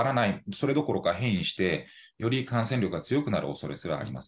それどころか変異して、より感染力が強くなるおそれすらあります。